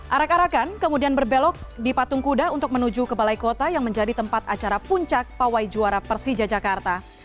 arak arakan kemudian berbelok di patung kuda untuk menuju ke balai kota yang menjadi tempat acara puncak pawai juara persija jakarta